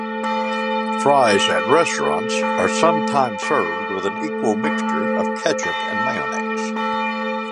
Fries at restaurants are sometimes served with an equal mixture of ketchup and mayonnaise.